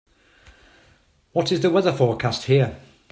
What is the weather forecast here